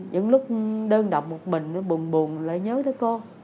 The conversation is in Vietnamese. những lúc đơn động một mình buồn buồn lại nhớ đứa con